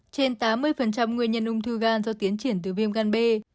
trên tám mươi nguyên nhân ung thư gan do tiến triển từ viêm gan b